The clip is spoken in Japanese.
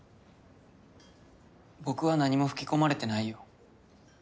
僕は何も吹き込まれてないよ。